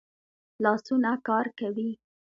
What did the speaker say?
لاسونه کار کوي